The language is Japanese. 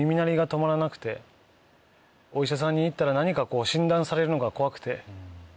お医者さんに行ったら何か診断されるのが怖くて。